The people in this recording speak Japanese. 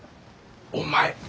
お前。